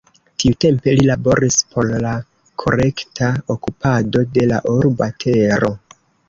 Tiutempe, li laboris por la korekta okupado de la urba tero.